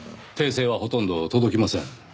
訂正はほとんど届きません。